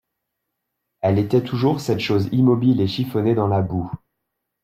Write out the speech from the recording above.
Elle était toujours cette chose immobile et chiffonnée dans la boue.